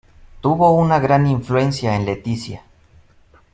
Tuvo una gran influencia en Leticia.